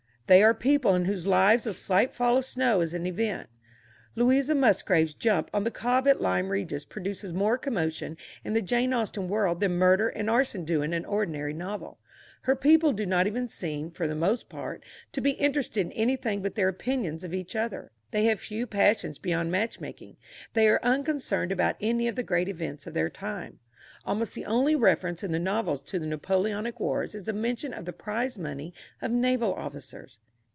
They are people in whose lives a slight fall of snow is an event. Louisa Musgrave's jump on the Cobb at Lyme Regis produces more commotion in the Jane Austen world than murder and arson do in an ordinary novel. Her people do not even seem, for the most part, to be interested in anything but their opinions of each other. They have few passions beyond match making. They are unconcerned about any of the great events of their time. Almost the only reference in the novels to the Napoleonic Wars is a mention of the prize money of naval officers.